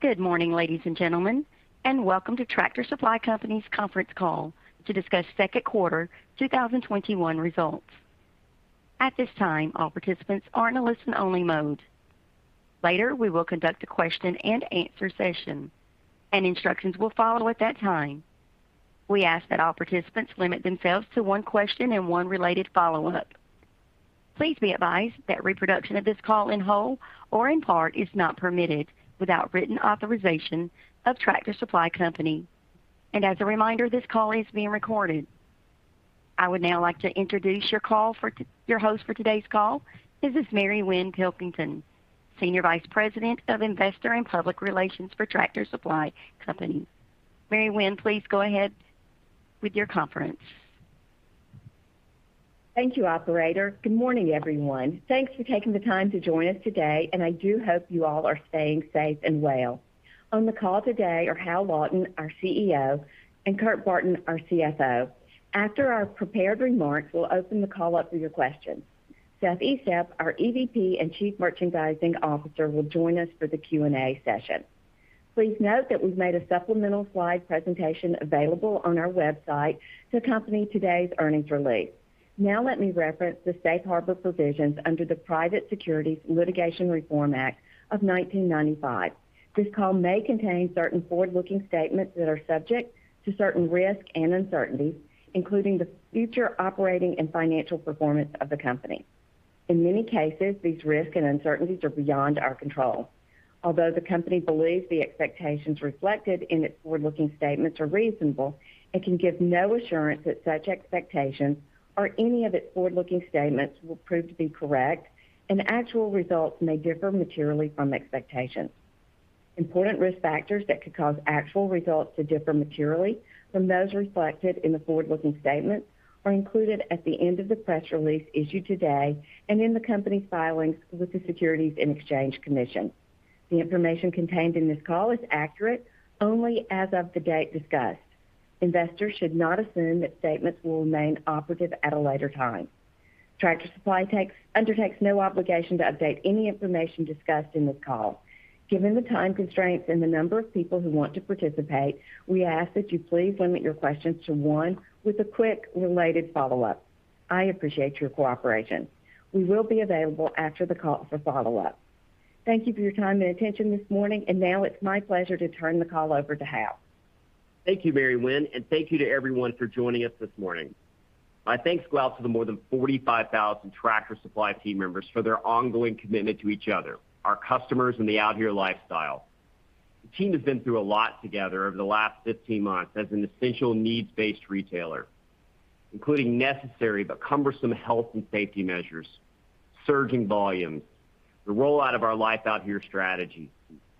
Good morning, ladies and gentlemen, welcome to Tractor Supply Company's conference call to discuss second quarter 2021 results. At this time, all participants are in a listen-only mode. Later, we will conduct a question-and-answer session, and instructions will follow at that time. We ask that all participants limit themselves to one question and one related follow-up. Please be advised that reproduction of this call in whole or in part is not permitted without written authorization of Tractor Supply Company. As a reminder, this call is being recorded. I would now like to introduce your host for today's call. This is Mary Winn Pilkington, Senior Vice President of Investor and Public Relations for Tractor Supply Company. Mary Winn, please go ahead with your conference. Thank you, operator. Good morning, everyone. Thanks for taking the time to join us today, and I do hope you all are staying safe and well. On the call today are Hal Lawton, our CEO, and Kurt Barton, our CFO. After our prepared remarks, we'll open the call up to your questions. Seth Estep, our EVP and Chief Merchandising Officer, will join us for the Q&A session. Please note that we've made a supplemental slide presentation available on our website to accompany today's earnings release. Now let me reference the safe harbor provisions under the Private Securities Litigation Reform Act of 1995. This call may contain certain forward-looking statements that are subject to certain risks and uncertainties, including the future operating and financial performance of the company. In many cases, these risks and uncertainties are beyond our control. Although the company believes the expectations reflected in its forward-looking statements are reasonable, it can give no assurance that such expectations or any of its forward-looking statements will prove to be correct, and actual results may differ materially from expectations. Important risk factors that could cause actual results to differ materially from those reflected in the forward-looking statements are included at the end of the press release issued today and in the company's filings with the Securities and Exchange Commission. The information contained in this call is accurate only as of the date discussed. Investors should not assume that statements will remain operative at a later time. Tractor Supply undertakes no obligation to update any information discussed in this call. Given the time constraints and the number of people who want to participate, we ask that you please limit your questions to one with a quick related follow-up. I appreciate your cooperation. We will be available after the call for follow-up. Thank you for your time and attention this morning, and now it's my pleasure to turn the call over to Hal. Thank you, Mary Winn, and thank you to everyone for joining us this morning. My thanks go out to the more than 45,000 Tractor Supply team members for their ongoing commitment to each other, our customers, and the Out Here lifestyle. The team has been through a lot together over the last 15 months as an essential needs-based retailer, including necessary but cumbersome health and safety measures, surging volumes, the rollout of our Life Out Here strategy,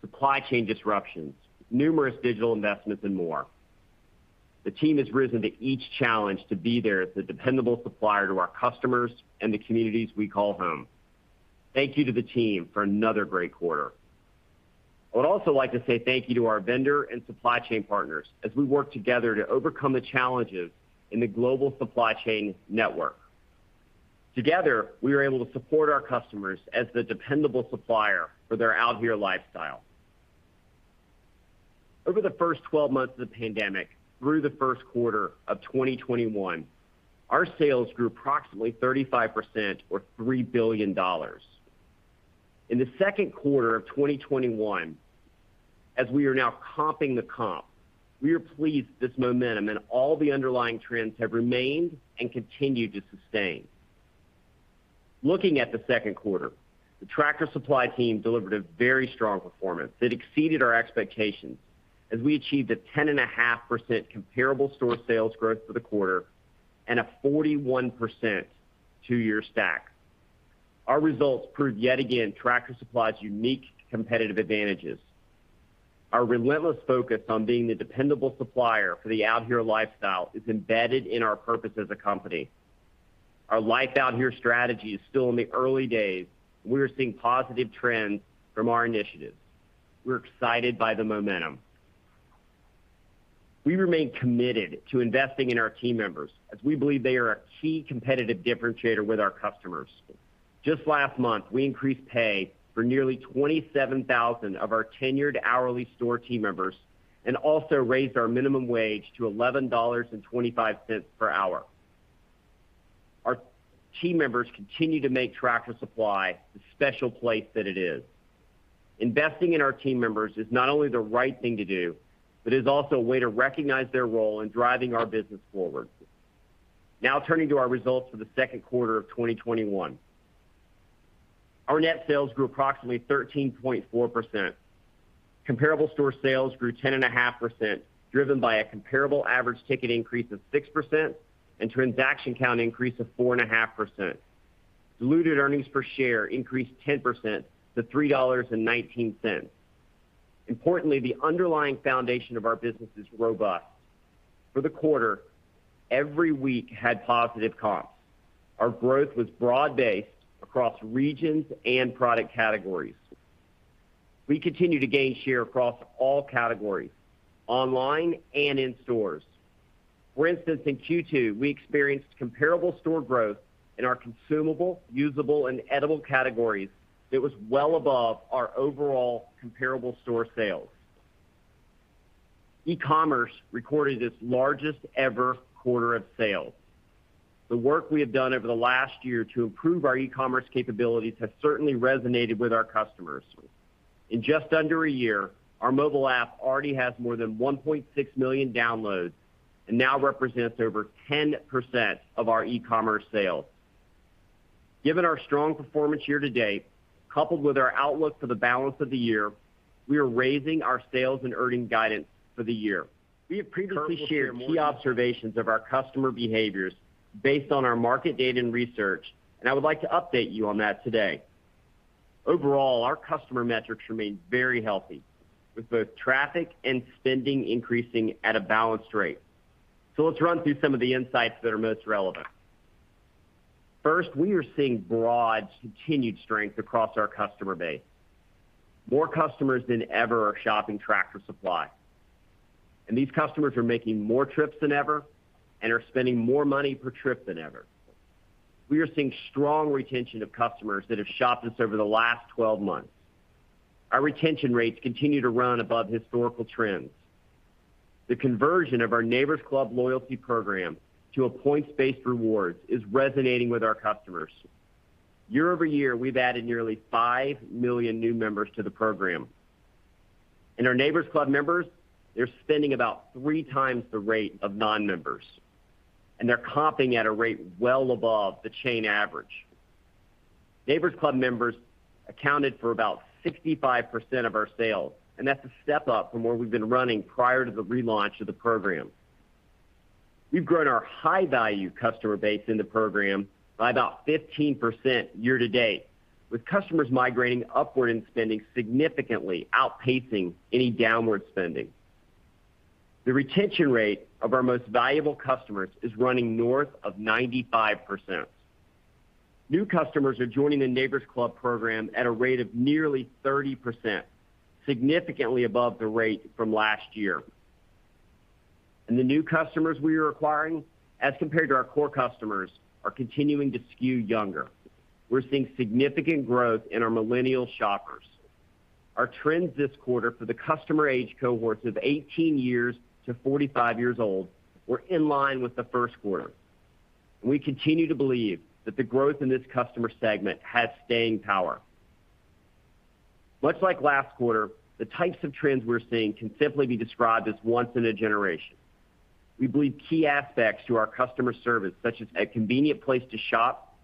supply chain disruptions, numerous digital investments, and more. The team has risen to each challenge to be there as a dependable supplier to our customers and the communities we call home. Thank you to the team for another great quarter. I would also like to say thank you to our vendor and supply chain partners as we work together to overcome the challenges in the global supply chain network. Together, we are able to support our customers as the dependable supplier for their Out Here lifestyle. Over the first 12 months of the pandemic through the first quarter of 2021, our sales grew approximately 35% or $3 billion. In the second quarter of 2021, as we are now comping the comp, we are pleased this momentum and all the underlying trends have remained and continued to sustain. Looking at the second quarter, the Tractor Supply team delivered a very strong performance that exceeded our expectations as we achieved a 10.5% comparable store sales growth for the quarter and a 41% two-year stack. Our results prove yet again Tractor Supply's unique competitive advantages. Our relentless focus on being the dependable supplier for the Out Here lifestyle is embedded in our purpose as a company. Our Life Out Here strategy is still in the early days, and we're seeing positive trends from our initiatives. We're excited by the momentum. We remain committed to investing in our team members as we believe they are a key competitive differentiator with our customers. Just last month, we increased pay for nearly 27,000 of our tenured hourly store team members and also raised our minimum wage to $11.25 per hour. Our team members continue to make Tractor Supply the special place that it is. Investing in our team members is not only the right thing to do, but is also a way to recognize their role in driving our business forward. Now turning to our results for the second quarter of 2021. Our net sales grew approximately 13.4%. Comparable store sales grew 10.5%, driven by a comparable average ticket increase of 6% and transaction count increase of 4.5%. Diluted earnings per share increased 10% to $3.19. Importantly, the underlying foundation of our business is robust. For the quarter, every week had positive comps. Our growth was broad-based across regions and product categories. We continue to gain share across all categories, online and in stores. For instance, in Q2, we experienced comparable store growth in our Consumable, Usable, and Edible categories that was well above our overall comparable store sales. E-commerce recorded its largest ever quarter of sales. The work we have done over the last year to improve our e-commerce capabilities has certainly resonated with our customers. In just under a year, our mobile app already has more than 1.6 million downloads and now represents over 10% of our e-commerce sales. Given our strong performance year-to-date, coupled with our outlook for the balance of the year, we are raising our sales and earnings guidance for the year. We have previously shared key observations of our customer behaviors based on our market data and research, and I would like to update you on that today. Overall, our customer metrics remain very healthy, with both traffic and spending increasing at a balanced rate. Let's run through some of the insights that are most relevant. First, we are seeing broad, continued strength across our customer base. More customers than ever are shopping Tractor Supply, and these customers are making more trips than ever and are spending more money per trip than ever. We are seeing strong retention of customers that have shopped us over the last 12 months. Our retention rates continue to run above historical trends. The conversion of our Neighbor's Club loyalty program to a points-based reward is resonating with our customers. Year-over-year, we've added nearly 5 million new members to the program. Our Neighbor's Club members, they're spending about three times the rate of non-members, and they're comping at a rate well above the chain average. Neighbor's Club members accounted for about 65% of our sales, and that's a step up from where we've been running prior to the relaunch of the program. We've grown our high-value customer base in the program by about 15% year-to-date, with customers migrating upward in spending significantly, outpacing any downward spending. The retention rate of our most valuable customers is running north of 95%. New customers are joining the Neighbor's Club program at a rate of nearly 30%, significantly above the rate from last year. The new customers we are acquiring, as compared to our core customers, are continuing to skew younger. We're seeing significant growth in our millennial shoppers. Our trends this quarter for the customer age cohorts of 18 years to 45 years old were in line with the first quarter. We continue to believe that the growth in this customer segment has staying power. Much like last quarter, the types of trends we're seeing can simply be described as once in a generation. We believe key aspects to our customer service, such as a convenient place to shop,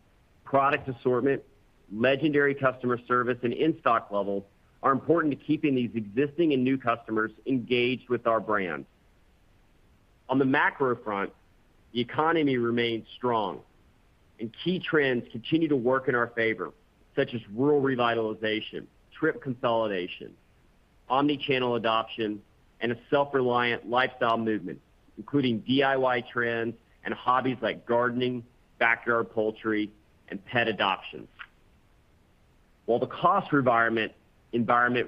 product assortment, legendary customer service, and in-stock level, are important to keeping these existing and new customers engaged with our brand. On the macro front, the economy remains strong and key trends continue to work in our favor, such as rural revitalization, trip consolidation, omni-channel adoption, and a self-reliant lifestyle movement, including DIY trends and hobbies like gardening, backyard poultry, and pet adoption. While the cost environment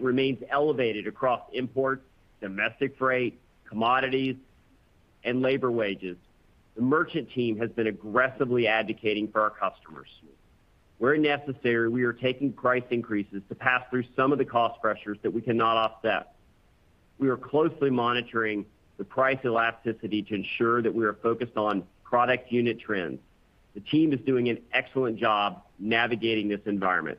remains elevated across imports, domestic freight, commodities, and labor wages, the merchant team has been aggressively advocating for our customers. Where necessary, we are taking price increases to pass through some of the cost pressures that we cannot offset. We are closely monitoring the price elasticity to ensure that we are focused on product unit trends. The team is doing an excellent job navigating this environment.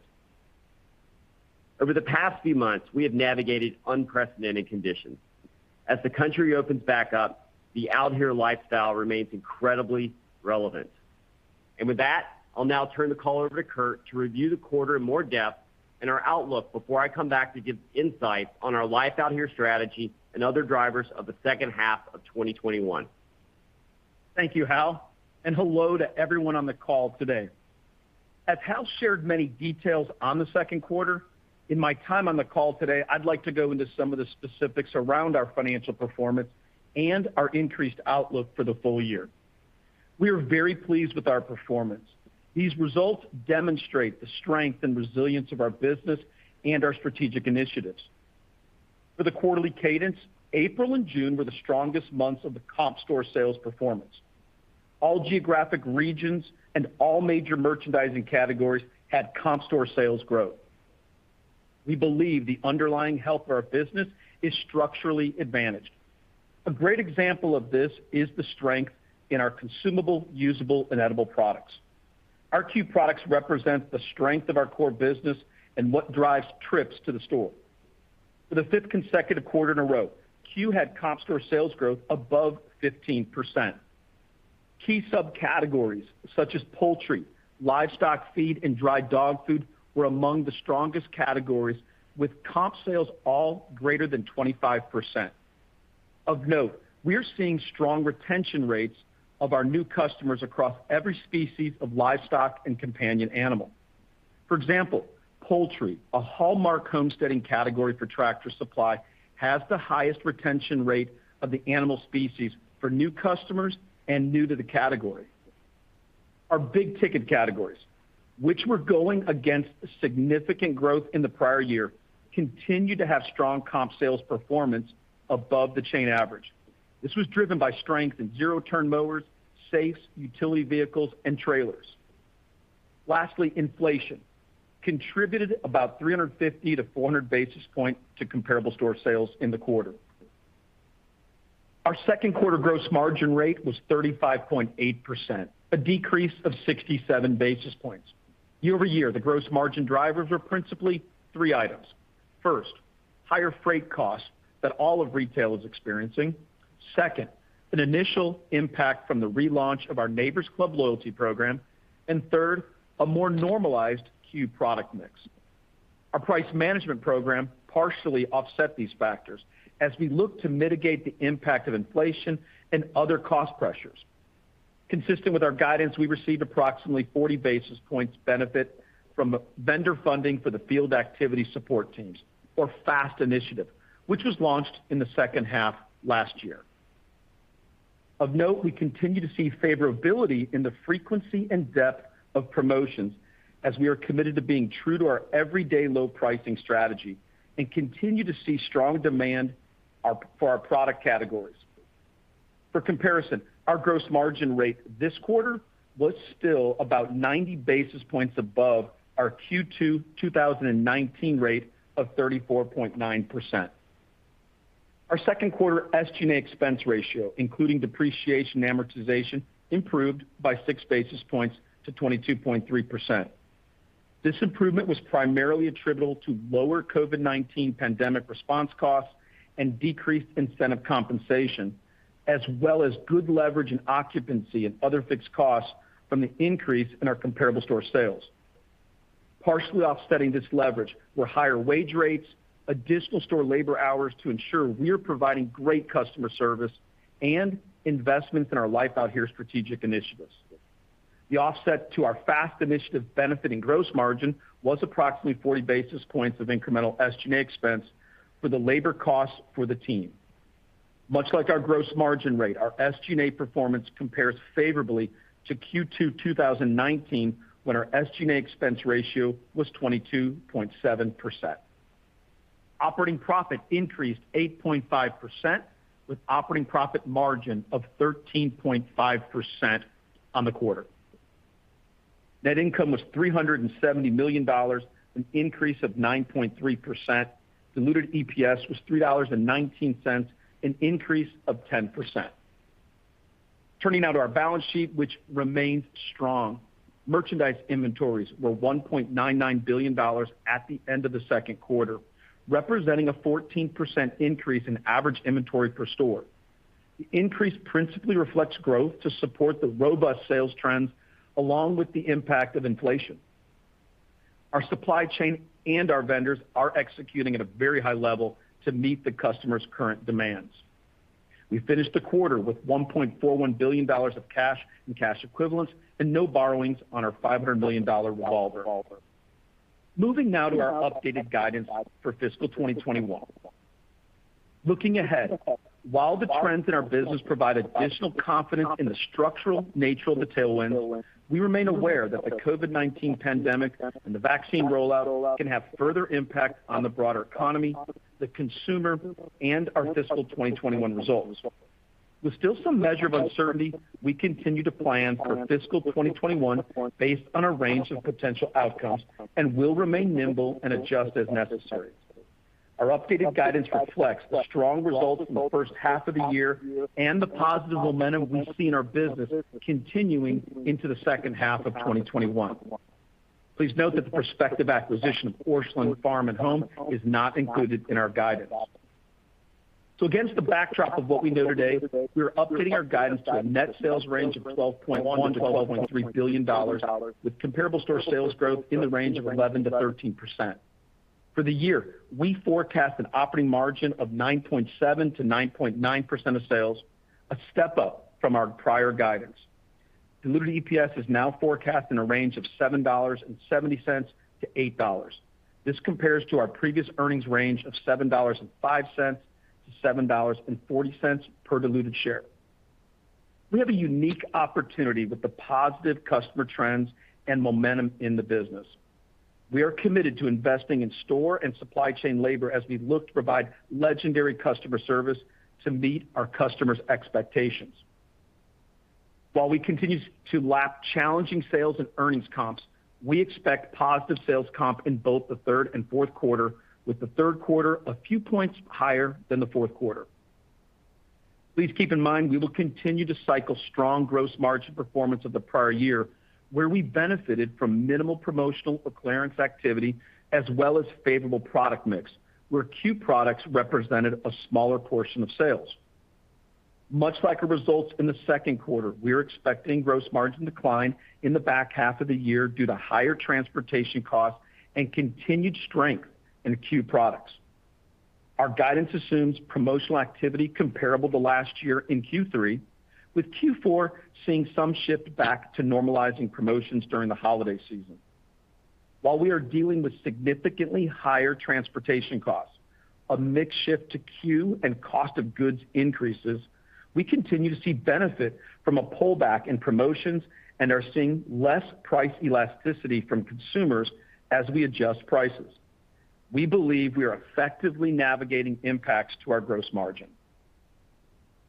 Over the past few months, we have navigated unprecedented conditions. As the country opens back up, the Out Here lifestyle remains incredibly relevant. With that, I'll now turn the call over to Kurt to review the quarter in more depth and our outlook before I come back to give insight on our Life Out Here strategy and other drivers of the second half of 2021. Thank you, Hal, and hello to everyone on the call today. As Hal shared many details on the second quarter, in my time on the call today, I'd like to go into some of the specifics around our financial performance and our increased outlook for the full year. We are very pleased with our performance. These results demonstrate the strength and resilience of our business and our strategic initiatives. For the quarterly cadence, April and June were the strongest months of the comp store sales performance. All geographic regions and all major merchandising categories had comp store sales growth. We believe the underlying health of our business is structurally advantaged. A great example of this is the strength in our consumable, usable, and edible products. Our key products represent the strength of our core business and what drives trips to the store. For the fifth consecutive quarter in a row, Q2 had comp store sales growth above 15%. Key subcategories such as poultry, livestock feed, and dry dog food were among the strongest categories, with comp sales all greater than 25%. Of note, we are seeing strong retention rates of our new customers across every species of livestock and companion animal. For example, poultry, a hallmark homesteading category for Tractor Supply, has the highest retention rate of the animal species for new customers and new to the category. Our big-ticket categories, which were going against significant growth in the prior year, continued to have strong comp sales performance above the chain average. This was driven by strength in zero-turn mowers, safes, utility vehicles, and trailers. Lastly, inflation contributed about 350-400 basis points to comparable store sales in the quarter. Our 2nd quarter gross margin rate was 35.8%, a decrease of 67 basis points. Year-over-year, the gross margin drivers were principally three items. First, higher freight costs that all of retail is experiencing. Second, an initial impact from the relaunch of our Neighbor's Club loyalty program. Third, a more normalized C.U.E. product mix. Our price management program partially offset these factors as we look to mitigate the impact of inflation and other cost pressures. Consistent with our guidance, we received approximately 40 basis points benefit from vendor funding for the Field Activity Support Team, or FAST initiative, which was launched in the 2nd half last year. Of note, we continue to see favorability in the frequency and depth of promotions as we are committed to being true to our everyday low pricing strategy and continue to see strong demand for our product categories. For comparison, our gross margin rate this quarter was still about 90 basis points above our Q2 2019 rate of 34.9%. Our second quarter SG&A expense ratio, including depreciation and amortization, improved by six basis points to 22.3%. This improvement was primarily attributable to lower COVID-19 pandemic response costs and decreased incentive compensation, as well as good leverage in occupancy and other fixed costs from the increase in our comparable store sales. Partially offsetting this leverage were higher wage rates, additional store labor hours to ensure we're providing great customer service, and investments in our Life Out Here strategic initiatives. The offset to our FAST initiative benefiting gross margin was approximately 40 basis points of incremental SG&A expense for the labor costs for the team. Much like our gross margin rate, our SG&A performance compares favorably to Q2 2019, when our SG&A expense ratio was 22.7%. Operating profit increased 8.5%, with operating profit margin of 13.5% on the quarter. Net income was $370 million, an increase of 9.3%. Diluted EPS was $3.19, an increase of 10%. Turning now to our balance sheet, which remains strong. Merchandise inventories were $1.99 billion at the end of the second quarter, representing a 14% increase in average inventory per store. The increase principally reflects growth to support the robust sales trends, along with the impact of inflation. Our supply chain and our vendors are executing at a very high level to meet the customers' current demands. We finished the quarter with $1.41 billion of cash and cash equivalents and no borrowings on our $500 million revolver. Moving now to our updated guidance for fiscal 2021. Looking ahead, while the trends in our business provide additional confidence in the structural nature of the tailwinds, we remain aware that the COVID-19 pandemic and the vaccine rollout can have further impact on the broader economy, the consumer, and our fiscal 2021 results. With still some measure of uncertainty, we continue to plan for fiscal 2021 based on a range of potential outcomes and will remain nimble and adjust as necessary. Our updated guidance reflects the strong results from the first half of the year and the positive momentum we see in our business continuing into the second half of 2021. Please note that the prospective acquisition of Orscheln Farm and Home is not included in our guidance. Against the backdrop of what we know today, we are updating our guidance to a net sales range of $12.1 billion to $12.3 billion, with comparable store sales growth in the range of 11%-13%. For the year, we forecast an operating margin of 9.7%-9.9% of sales, a step up from our prior guidance. Diluted EPS is now forecast in a range of $7.70-$8. This compares to our previous earnings range of $7.05-$7.40 per diluted share. We have a unique opportunity with the positive customer trends and momentum in the business. We are committed to investing in store and supply chain labor as we look to provide legendary customer service to meet our customers' expectations. While we continue to lap challenging sales and earnings comps, we expect positive sales comp in both the third and fourth quarter, with the third quarter a few points higher than the fourth quarter. Please keep in mind, we will continue to cycle strong gross margin performance of the prior year, where we benefited from minimal promotional or clearance activity, as well as favorable product mix, where C.U.E. products represented a smaller portion of sales. Much like our results in the second quarter, we are expecting gross margin decline in the back half of the year due to higher transportation costs and continued strength in C.U.E. products. Our guidance assumes promotional activity comparable to last year in Q3, with Q4 seeing some shift back to normalizing promotions during the holiday season. While we are dealing with significantly higher transportation costs, a mix shift to C.U.E. and cost of goods increases, we continue to see benefit from a pullback in promotions and are seeing less price elasticity from consumers as we adjust prices. We believe we are effectively navigating impacts to our gross margin.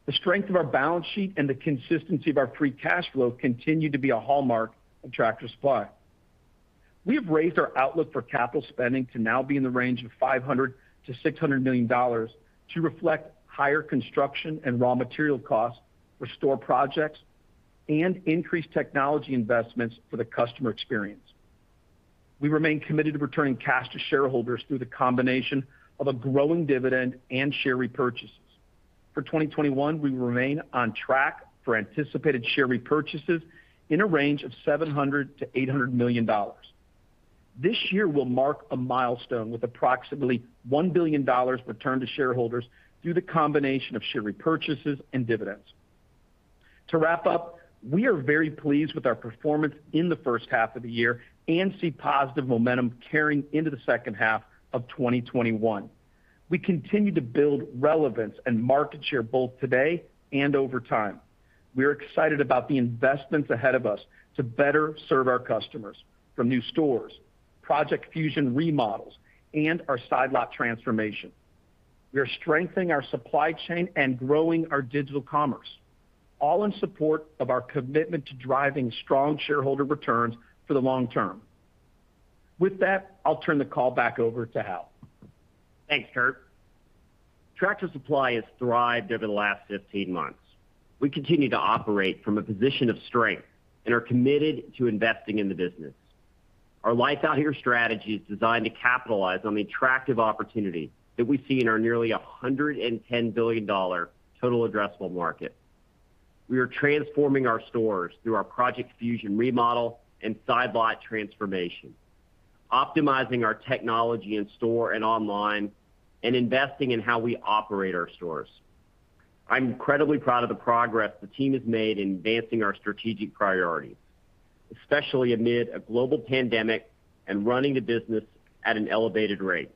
The strength of our balance sheet and the consistency of our free cash flow continue to be a hallmark of Tractor Supply. We have raised our outlook for capital spending to now be in the range of $500 million-$600 million to reflect higher construction and raw material costs for store projects and increased technology investments for the customer experience. We remain committed to returning cash to shareholders through the combination of a growing dividend and share repurchases. For 2021, we remain on track for anticipated share repurchases in a range of $700 million-$800 million. This year will mark a milestone with approximately $1 billion returned to shareholders through the combination of share repurchases and dividends. To wrap up, we are very pleased with our performance in the first half of the year and see positive momentum carrying into the second half of 2021. We continue to build relevance and market share both today and over time. We're excited about the investments ahead of us to better serve our customers from new stores, Project Fusion remodels, and our Side Lot transformation. We are strengthening our supply chain and growing our digital commerce, all in support of our commitment to driving strong shareholder returns for the long term. With that, I'll turn the call back over to Hal. Thanks, Kurt. Tractor Supply has thrived over the last 15 months. We continue to operate from a position of strength and are committed to investing in the business. Our Life Out Here strategy is designed to capitalize on the attractive opportunity that we see in our nearly $110 billion total addressable market. We are transforming our stores through our Project Fusion remodel and Side Lot transformation, optimizing our technology in-store and online, and investing in how we operate our stores. I'm incredibly proud of the progress the team has made in advancing our strategic priorities, especially amid a global pandemic and running the business at an elevated rate.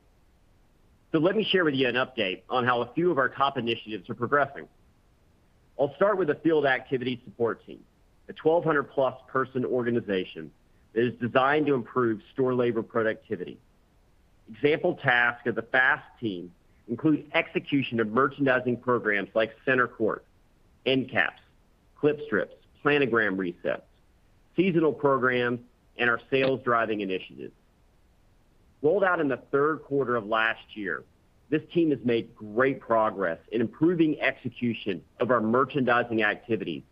Let me share with you an update on how a few of our top initiatives are progressing. I'll start with the Field Activity Support Team, a 1,200-plus person organization that is designed to improve store labor productivity. Example tasks of the FAST team include execution of merchandising programs like center court, end caps, clip strips, planogram resets, seasonal programs, and our sales-driving initiatives. Rolled out in the third quarter of last year, this team has made great progress in improving execution of our merchandising activities,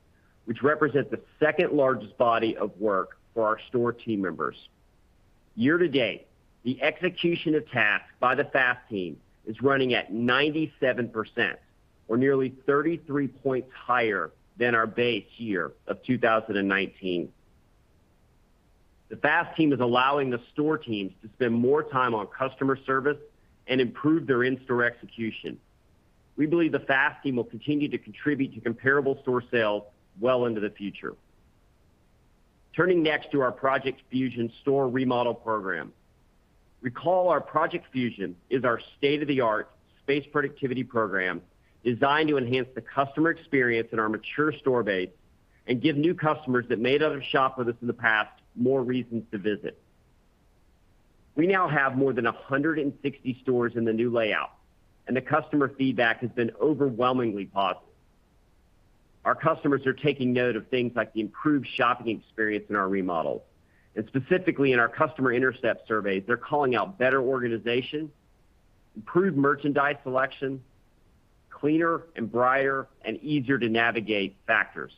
which represents the second-largest body of work for our store team members. Year to date, the execution of tasks by the FAST team is running at 97%, or nearly 33 points higher than our base year of 2019. The FAST team is allowing the store teams to spend more time on customer service and improve their in-store execution. We believe the FAST team will continue to contribute to comparable store sales well into the future. Turning next to our Project Fusion store remodel program. Recall our Project Fusion is our state-of-the-art space productivity program designed to enhance the customer experience in our mature store base and give new customers that may not have shopped with us in the past more reasons to visit. We now have more than 160 stores in the new layout, and the customer feedback has been overwhelmingly positive. Our customers are taking note of things like the improved shopping experience in our remodels, and specifically in our customer intercept surveys, they're calling out better organization, improved merchandise selection, cleaner and brighter, and easier to navigate factors.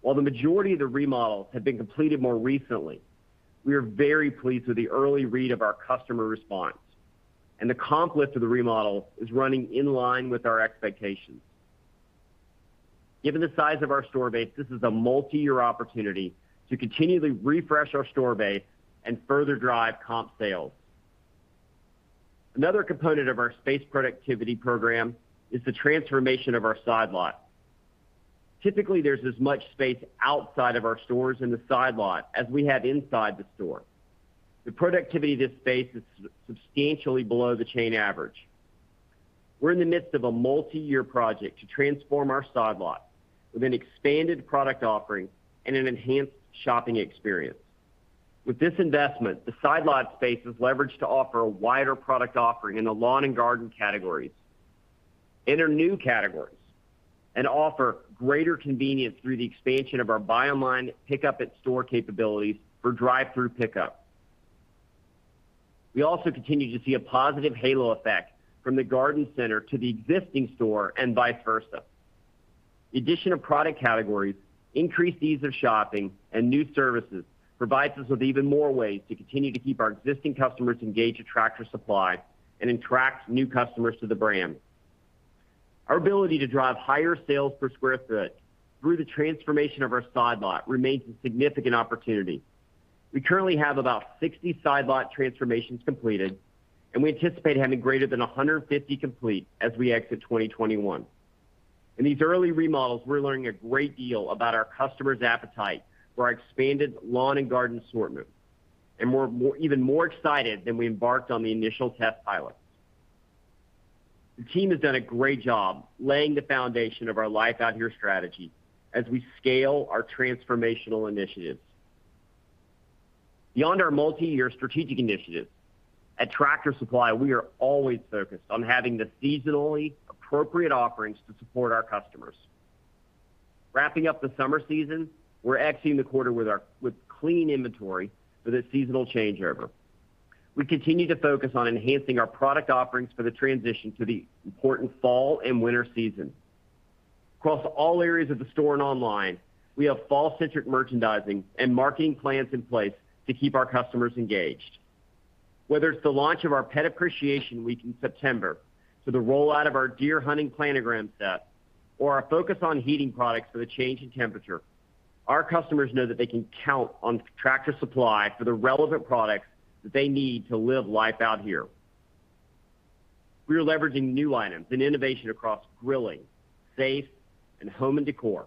While the majority of the remodels have been completed more recently, we are very pleased with the early read of our customer response, and the comp lift of the remodel is running in line with our expectations. Given the size of our store base, this is a multi-year opportunity to continually refresh our store base and further drive comp sales. Another component of our space productivity program is the transformation of our Side Lot. Typically, there's as much space outside of our stores in the Side Lot as we have inside the store. The productivity of this space is substantially below the chain average. We're in the midst of a multi-year project to transform our Side Lot with an expanded product offering and an enhanced shopping experience. With this investment, the Side Lot space is leveraged to offer a wider product offering in the lawn and garden categories, enter new categories, and offer greater convenience through the expansion of our Buy Online Pickup in Store capabilities for drive-thru pickup. We also continue to see a positive halo effect from the garden center to the existing store and vice versa. The addition of product categories, increased ease of shopping, and new services provides us with even more ways to continue to keep our existing customers engaged at Tractor Supply and attracts new customers to the brand. Our ability to drive higher sales per square foot through the transformation of our Side Lot remains a significant opportunity. We currently have about 60 Side Lot transformations completed, and we anticipate having greater than 150 complete as we exit 2021. In these early remodels, we're learning a great deal about our customers' appetite for our expanded lawn and garden assortment. We're even more excited than we embarked on the initial test pilot. The team has done a great job laying the foundation of our Life Out Here strategy as we scale our transformational initiatives. Beyond our multi-year strategic initiatives, at Tractor Supply, we are always focused on having the seasonally appropriate offerings to support our customers. Wrapping up the summer season, we're exiting the quarter with clean inventory for the seasonal changeover. We continue to focus on enhancing our product offerings for the transition to the important fall and winter season. Across all areas of the store and online, we have fall-centric merchandising and marketing plans in place to keep our customers engaged. Whether it's the launch of our Pet Appreciation Week in September to the rollout of our deer hunting planogram set, or our focus on heating products for the change in temperature, our customers know that they can count on Tractor Supply for the relevant products that they need to live Life Out Here. We are leveraging new items and innovation across grilling, safes, and home and decor.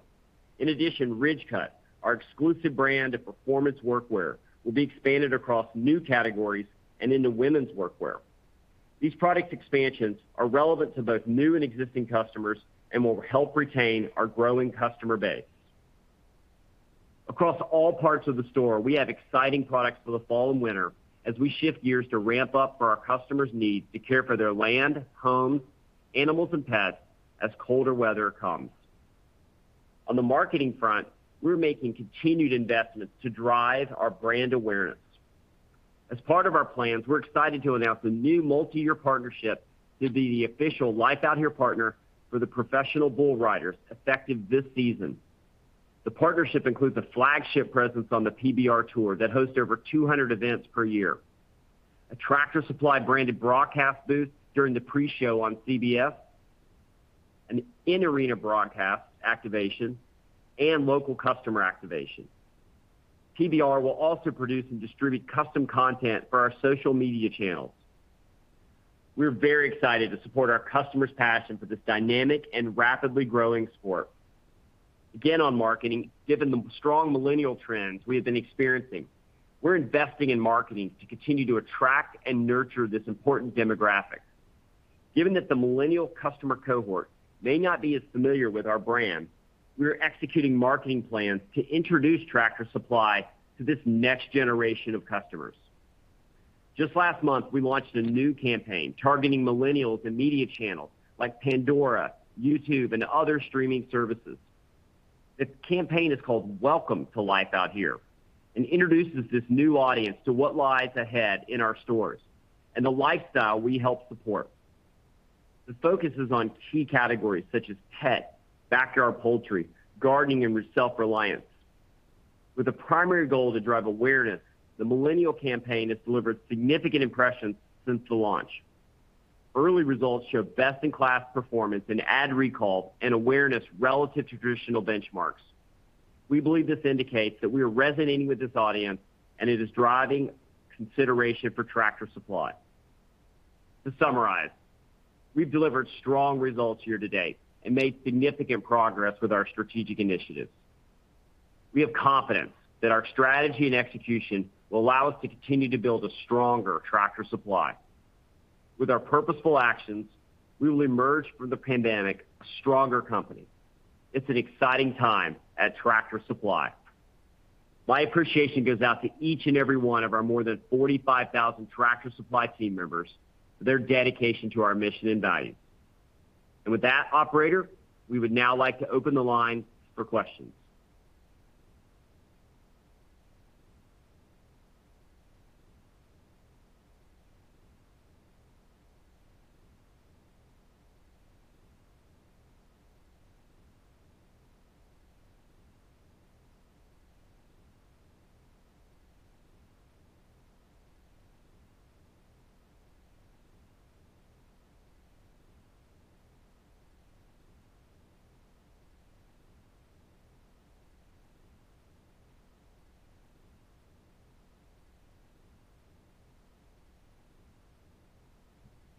In addition, Ridgecut, our exclusive brand of performance workwear, will be expanded across new categories and into women's workwear. These product expansions are relevant to both new and existing customers and will help retain our growing customer base. Across all parts of the store, we have exciting products for the fall and winter as we shift gears to ramp up for our customers' need to care for their land, home, animals, and pets as colder weather comes. On the marketing front, we're making continued investments to drive our brand awareness. As part of our plans, we're excited to announce a new multi-year partnership to be the official Life Out Here partner for the Professional Bull Riders effective this season. The partnership includes a flagship presence on the PBR Tour that hosts over 200 events per year. A Tractor Supply-branded broadcast booth during the pre-show on CBS, an in-arena broadcast activation, and local customer activation. PBR will also produce and distribute custom content for our social media channels. We're very excited to support our customers' passion for this dynamic and rapidly growing sport. Again, on marketing, given the strong millennial trends we have been experiencing, we're investing in marketing to continue to attract and nurture this important demographic. Given that the millennial customer cohort may not be as familiar with our brand, we are executing marketing plans to introduce Tractor Supply to this next generation of customers. Just last month, we launched a new campaign targeting millennials in media channels like Pandora, YouTube, and other streaming services. The campaign is called Welcome to Life Out Here and introduces this new audience to what lies ahead in our stores and the lifestyle we help support. The focus is on key categories such as pet, backyard poultry, gardening, and self-reliance. With a primary goal to drive awareness, the millennial campaign has delivered significant impressions since the launch. Early results show best-in-class performance in ad recall and awareness relative to traditional benchmarks. We believe this indicates that we are resonating with this audience, and it is driving consideration for Tractor Supply. To summarize, we've delivered strong results here today and made significant progress with our strategic initiatives. We have confidence that our strategy and execution will allow us to continue to build a stronger Tractor Supply. With our purposeful actions, we will emerge from the pandemic a stronger company. It's an exciting time at Tractor Supply. My appreciation goes out to each and every one of our more than 45,000 Tractor Supply team members for their dedication to our mission and values. With that, operator, we would now like to open the line for questions.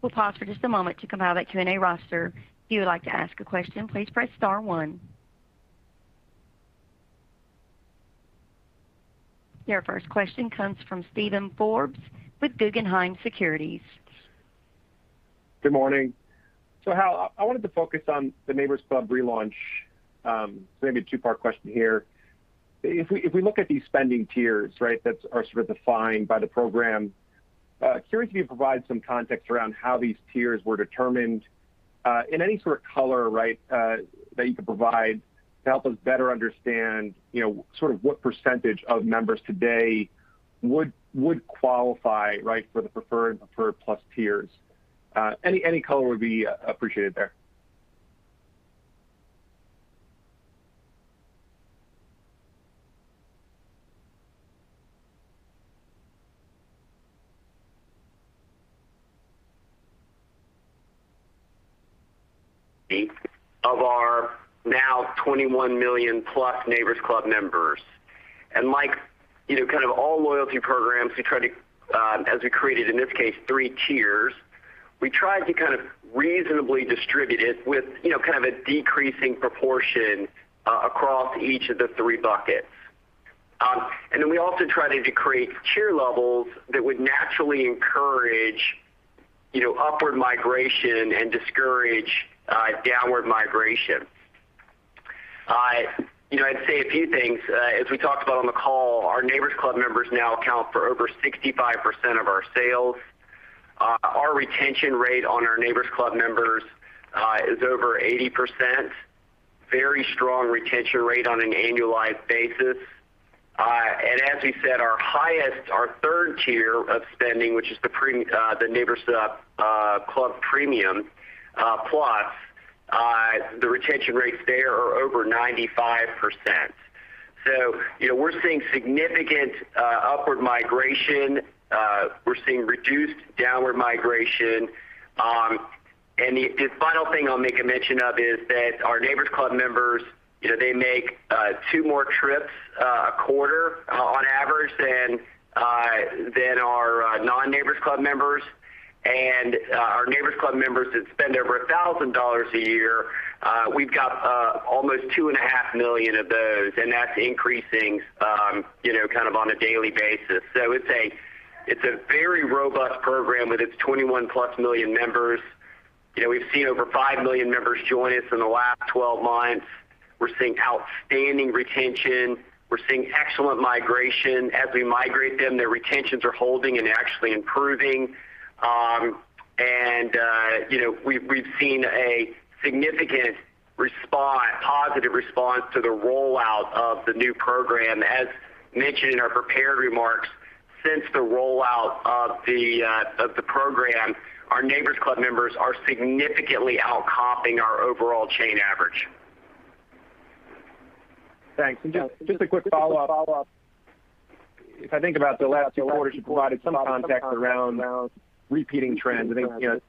We'll pause for just a moment to compile that Q&A roster. If you would like to ask a question, please press star one. Your first question comes from Steven Forbes with Guggenheim Securities. Good morning. Hal, I wanted to focus on the Neighbor's Club relaunch. Maybe a two-part question here. If we look at these spending tiers, right, that are sort of defined by the program, curious if you could provide some context around how these tiers were determined, in any sort of color, right, that you could provide to help us better understand sort of what % of members today would qualify, right, for the preferred and preferred plus tiers. Any color would be appreciated there. Of our now 21 million-plus Neighbor's Club members And Steve, all loyalty programs, as we created, in this case, three tiers, we tried to reasonably distribute it with a decreasing proportion across each of the three buckets. Then we also tried to create tier levels that would naturally encourage upward migration and discourage downward migration. I'd say a few things. As we talked about on the call, our Neighbor's Club members now account for over 65% of our sales. Our retention rate on our Neighbor's Club members is over 80%. Very strong retention rate on an annualized basis. As we said, our highest, our 3rd tier of spending, which is the Neighbor's Club Preferred Plus, the retention rates there are over 95%. We're seeing significant upward migration. We're seeing reduced downward migration. The final thing I'll make a mention of is that our Neighbor's Club members, they make two more trips a quarter on average than our non-Neighbor's Club members. Our Neighbor's Club members that spend over $1,000 a year, we've got almost two and a half million of those, and that's increasing on a daily basis. It's a very robust program with its 21+ million members. We've seen over five million members join us in the last 12 months. We're seeing outstanding retention. We're seeing excellent migration. As we migrate them, their retentions are holding and actually improving. We've seen a significant positive response to the rollout of the new program. As mentioned in our prepared remarks, since the rollout of the program, our Neighbor's Club members are significantly outcomping our overall chain average. Thanks. Just a quick follow-up. If I think about the last two quarters, you provided some context around repeating trends.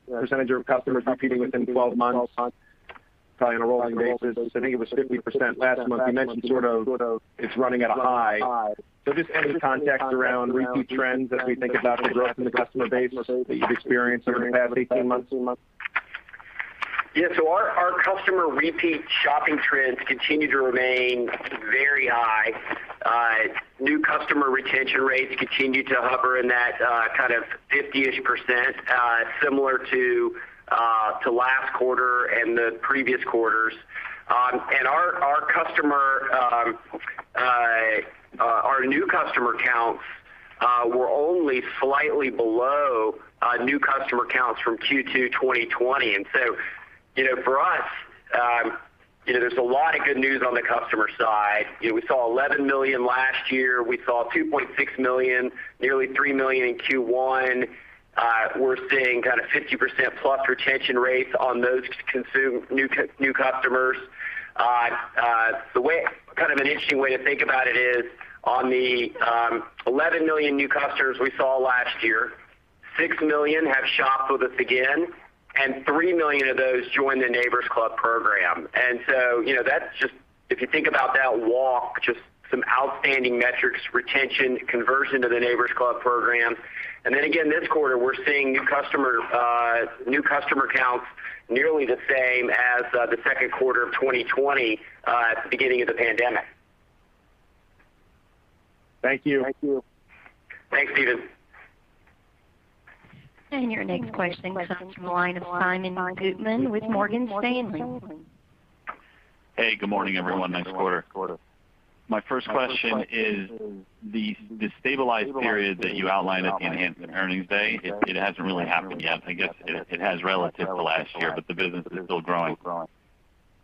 Percentage of customers repeating within 12 months, probably on a rolling basis. It was 50% last month. You mentioned it's running at a high. Just any context around repeat trends as we think about the growth in the customer base that you've experienced over the past 18 months? Yeah. Our customer repeat shopping trends continue to remain very high. New customer retention rates continue to hover in that 50-ish%, similar to last quarter and the previous quarters. Our new customer counts were only slightly below new customer counts from Q2 2020. For us, there's a lot of good news on the customer side. We saw 11 million last year. We saw 2.6 million, nearly three million in Q1. We're seeing 50%+ retention rates on those new customers. An interesting way to think about it is on the 11 million new customers we saw last year, six million have shopped with us again, and 3 million of those joined the Neighbor's Club program. If you think about that walk, just some outstanding metrics, retention, conversion to the Neighbor's Club program. Again, this quarter, we're seeing new customer counts nearly the same as the second quarter of 2020, at the beginning of the pandemic. Thank you. Thanks, Steven. Your next question comes from the line of Simeon Gutman with Morgan Stanley. Hey, good morning, everyone. Nice quarter. My first question is the stabilized period that you outlined at the enhanced earnings day, it hasn't really happened yet. I guess it has relative to last year, but the business is still growing.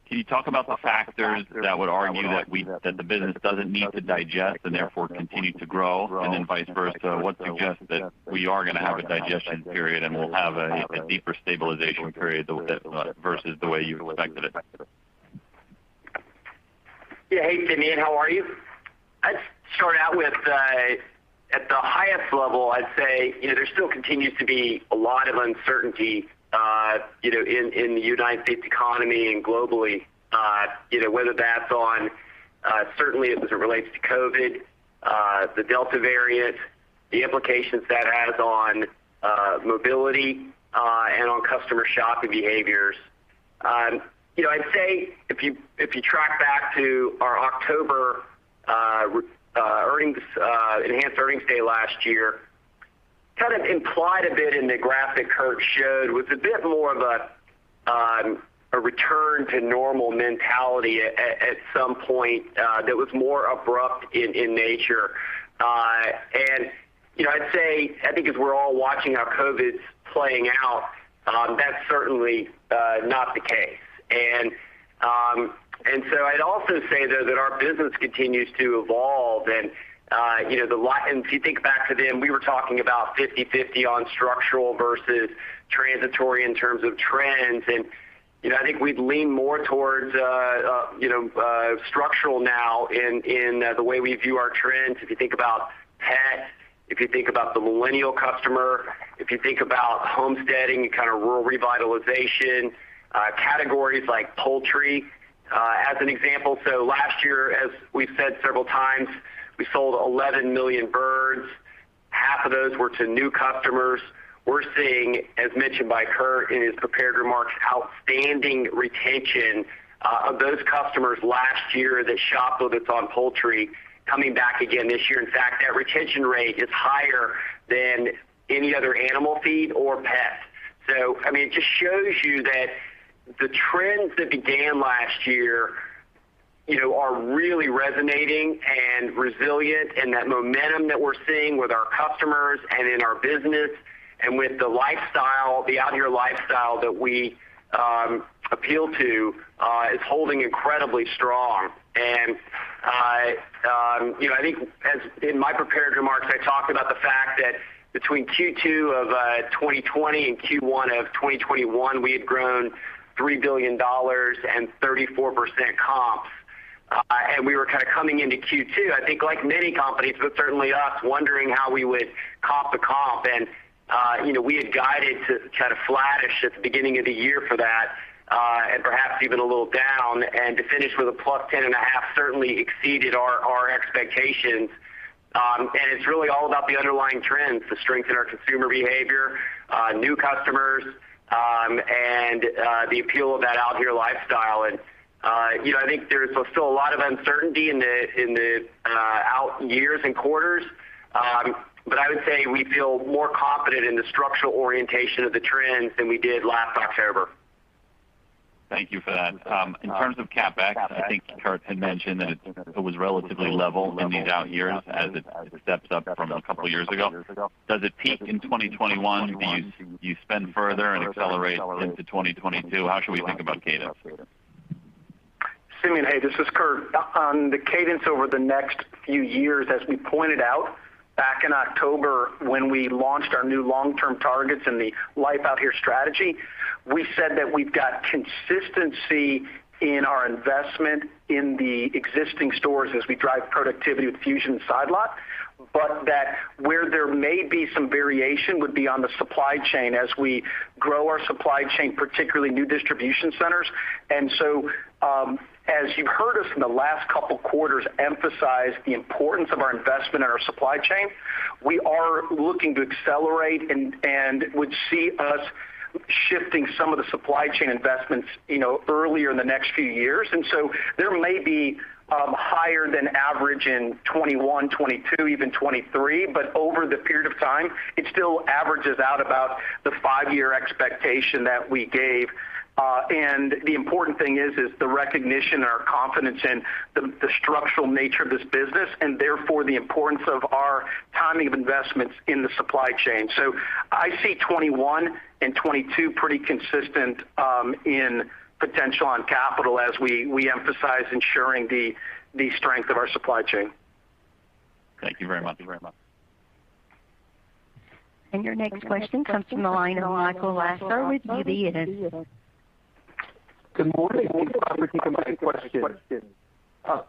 Can you talk about the factors that would argue that the business doesn't need to digest and therefore continue to grow, and then vice versa? What suggests that we are going to have a digestion period and we'll have a deeper stabilization period versus the way you expected it? Hey, Simeon. How are you? I'd start out with, at the highest level, I'd say, there still continues to be a lot of uncertainty in the U.S. economy and globally, whether that's on, certainly as it relates to COVID-19, the Delta variant, the implications that has on mobility, and on customer shopping behaviors. I'd say if you track back to our October enhanced earnings day last year, kind of implied a bit in the graphic Kurt showed, was a bit more of a return to normal mentality at some point that was more abrupt in nature. I'd say, I think as we're all watching how COVID-19's playing out, that's certainly not the case. I'd also say, though, that our business continues to evolve and if you think back to then, we were talking about 50/50 on structural versus transitory in terms of trends. I think we'd lean more towards structural now in the way we view our trends. If you think about the millennial customer, if you think about homesteading and rural revitalization, categories like poultry as an example. Last year, as we've said several times, we sold 11 million birds. Half of those were to new customers. We're seeing, as mentioned by Kurt in his prepared remarks, outstanding retention of those customers last year that shopped with us on poultry coming back again this year. In fact, that retention rate is higher than any other animal feed or pet. It just shows you that the trends that began last year are really resonating and resilient, and that momentum that we're seeing with our customers and in our business and with the Life Out Here lifestyle that we appeal to is holding incredibly strong. I think in my prepared remarks, I talked about the fact that between Q2 2020 and Q1 2021, we had grown $3 billion and 34% comps. We were coming into Q2, I think like many companies, but certainly us, wondering how we would comp a comp. We had guided to flattish at the beginning of the year for that, and perhaps even a little down. To finish with a +10.5% certainly exceeded our expectations. It's really all about the underlying trends, the strength in our consumer behavior, new customers, and the appeal of that Life Out Here lifestyle. I think there's still a lot of uncertainty in the out years and quarters. I would say we feel more confident in the structural orientation of the trends than we did last October. Thank you for that. In terms of CapEx, I think Kurt had mentioned that it was relatively level in these out years as it steps up from a couple of years ago. Does it peak in 2021? Do you spend further and accelerate into 2022? How should we think about cadence? Simeon, hey, this is Kurt. On the cadence over the next few years, as we pointed out back in October when we launched our new long-term targets and the Life Out Here strategy, we said that we've got consistency in our investment in the existing stores as we drive productivity with Fusion and Side Lot, but that where there may be some variation would be on the supply chain as we grow our supply chain, particularly new distribution centers. As you've heard us in the last couple of quarters emphasize the importance of our investment in our supply chain, we are looking to accelerate and would see us shifting some of the supply chain investments earlier in the next few years. There may be higher than average in 2021, 2022, even 2023. Over the period of time, it still averages out about the five-year expectation that we gave. The important thing is the recognition and our confidence in the structural nature of this business, and therefore the importance of our timing of investments in the supply chain. I see 2021 and 2022 pretty consistent in potential on capital as we emphasize ensuring the strength of our supply chain. Thank you very much. Your next question comes from the line of Michael Lasser with UBS. Good morning. Thanks, Robert, for taking my question.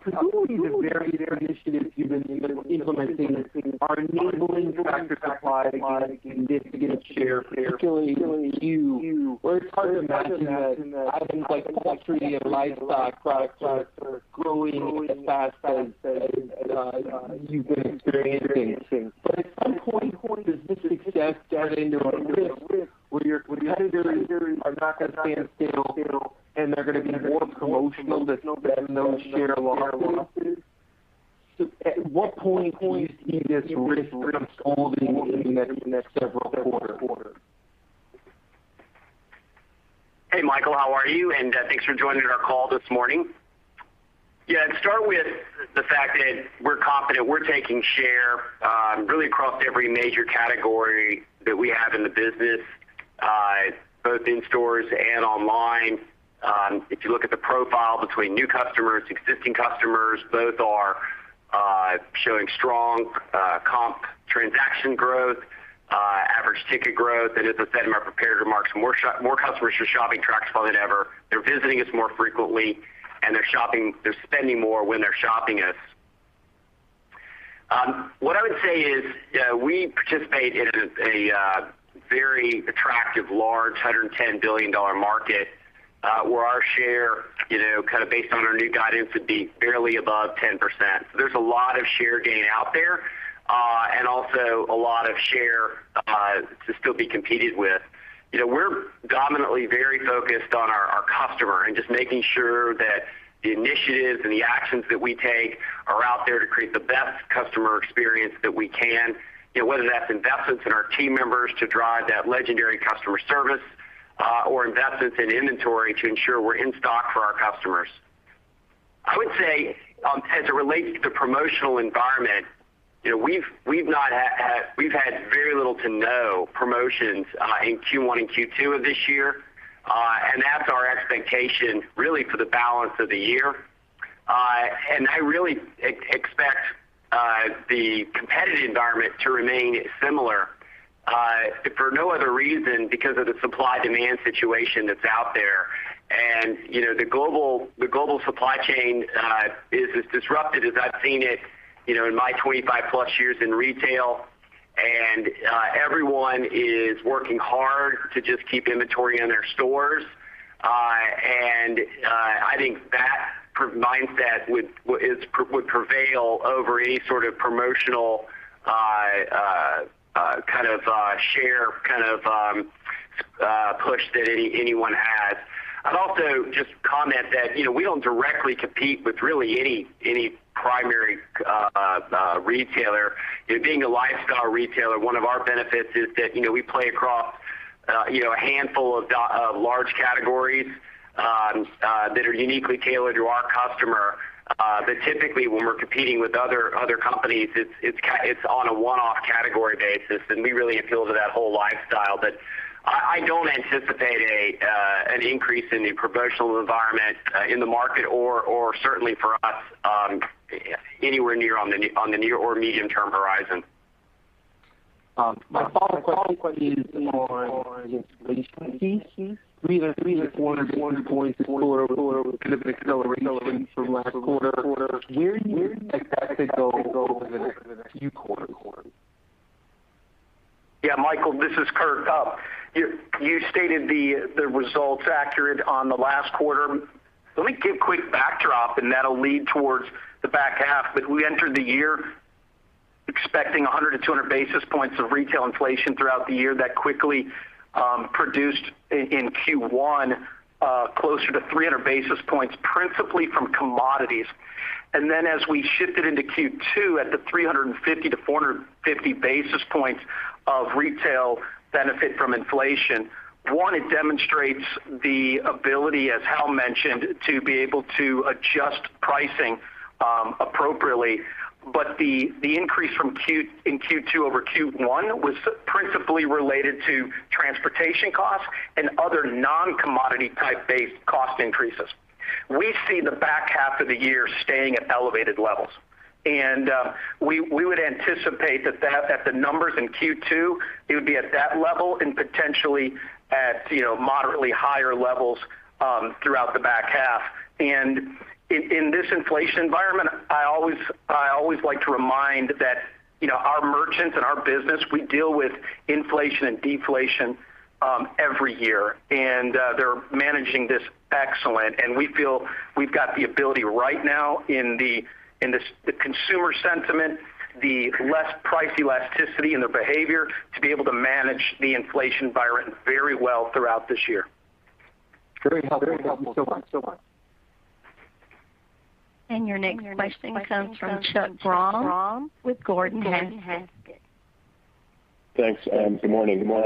Presumably, the various initiatives you've been implementing are enabling Tractor Supply to gain significant share, particularly in Q, where it's hard to imagine that items like poultry and livestock products are growing as fast as you've been experiencing. At some point, does this success start to introduce risk where your competitors are not going to stand still and they're going to be more promotional to defend those share losses? At what point do you see this risk unfolding in the next several quarters? Hey, Michael, how are you? Thanks for joining our call this morning. To start with the fact that we're confident we're taking share really across every major category that we have in the business both in stores and online. If you look at the profile between new customers, existing customers, both are showing strong comp transaction growth, average ticket growth. As I said in my prepared remarks, more customers are shopping Tractor Supply than ever. They're visiting us more frequently, and they're spending more when they're shopping us. What I would say is we participate in a very attractive, large $110 billion market where our share, based on our new guidance, would be barely above 10%. There's a lot of share gain out there. Also a lot of share to still be competed with. We're dominantly very focused on our customer and just making sure that the initiatives and the actions that we take are out there to create the best customer experience that we can. Whether that's investments in our team members to drive that legendary customer service or investments in inventory to ensure we're in stock for our customers. I would say, as it relates to the promotional environment, we've had very little to no promotions in Q1 and Q2 of this year. That's our expectation really for the balance of the year. I really expect the competitive environment to remain similar for no other reason because of the supply-demand situation that's out there. The global supply chain is as disrupted as I've seen it in my 25+ years in retail. Everyone is working hard to just keep inventory in their stores. I think that mindset would prevail over any sort of promotional share push that anyone has. I'd also just comment that we don't directly compete with really any primary retailer. Being a lifestyle retailer, one of our benefits is that we play across a handful of large categories that are uniquely tailored to our customer. Typically, when we're competing with other companies, it's on a one-off category basis, and we really appeal to that whole lifestyle. I don't anticipate an increase in the promotional environment in the market or certainly for us anywhere near on the near or medium-term horizon. My follow-up question is on inflation. I think 300 basis points this quarter could have been acceleration from last quarter. Where do you expect that to go over the next few quarters? Michael, this is Kurt. You stated the results accurate on the last quarter. Let me give a quick backdrop. That'll lead towards the back half. We entered the year expecting 100-200 basis points of retail inflation throughout the year. That quickly produced in Q1 closer to 300 basis points, principally from commodities. As we shifted into Q2 at the 350-450 basis points of retail benefit from inflation. One, it demonstrates the ability, as Hal mentioned, to be able to adjust pricing appropriately. The increase in Q2 over Q1 was principally related to transportation costs and other non-commodity type based cost increases. We see the back half of the year staying at elevated levels. We would anticipate that the numbers in Q2, it would be at that level and potentially at moderately higher levels throughout the back half. In this inflation environment, I always like to remind that our merchants and our business, we deal with inflation and deflation every year. They're managing this excellent. We feel we've got the ability right now in the consumer sentiment, the less price elasticity in their behavior, to be able to manage the inflation environment very well throughout this year. Great, Hal Lawton. Thank you so much. Your next question comes from Chuck Grom with Gordon Haskett. Thanks, and good morning. My